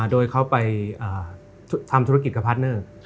โดยเขาไปทำธุรกิจกับพาร์ทเนอร์